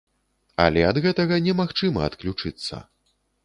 Але ад гэтага немагчыма адключыцца.